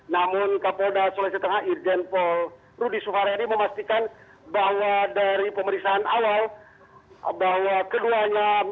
namun kapolda sulawesi tengah irjen paul rudi suharyadi memastikan bahwa dari pemeriksaan awal bahwa keduanya